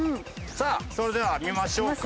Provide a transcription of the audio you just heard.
さあそれでは見ましょうか。